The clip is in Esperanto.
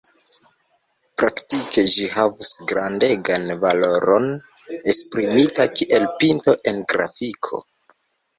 Praktike ĝi havos grandegan valoron esprimita kiel pinto en grafiko.